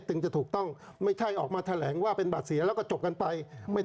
ดังประเทศจะถูกต้องไม่ใช่ออกมาแถลงว่าเป็คบัตรเสียและจบกันไป